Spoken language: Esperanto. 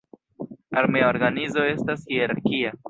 Armea organizo estas hierarkia.